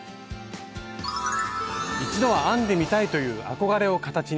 一度は編んでみたいという憧れを形に！